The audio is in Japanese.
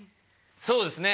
そうですね。